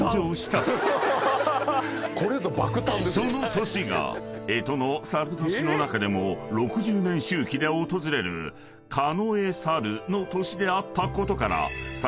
［その年が干支の申年の中でも６０年周期で訪れる庚申の年であったことから］